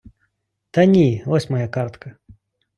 Та ні, ось моя картка.